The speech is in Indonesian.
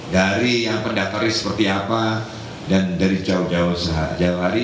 dari yang pendataris seperti apa dan dari jauh jauh sehari hari